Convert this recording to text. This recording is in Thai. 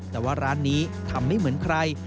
แต่ว่าร้านนี้ทำไม่เหมือนใคร